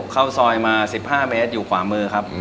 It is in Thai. เข้าซอยมา๑๕เมตรอยู่ขวามือครับ